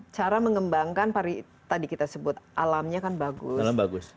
cara mengembangkan tadi kita sebut alamnya kan bagus